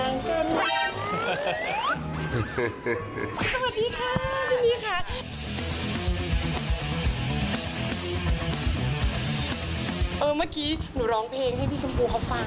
เมื่อกี้หนูร้องเพลงให้พี่ชมพูเขาฟัง